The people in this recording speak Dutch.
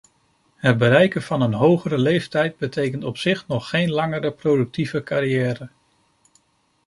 Het bereiken van een hogere leeftijd betekent op zich nog geen langere productieve carrière.